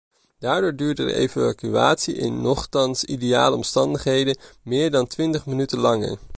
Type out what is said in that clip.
Daardoor duurde de evacuatie in nochtans ideale omstandigheden meer dan twintig minuten langer.